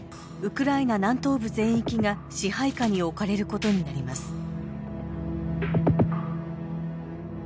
ウクライナ南東部全域が支配下に置かれることになります。